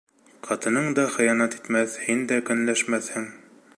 Ҡатының да хыянат итмәҫ, һин дә көнләшмәҫһең.